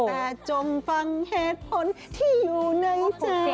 แต่จงฟังเหตุผลที่อยู่ในใจ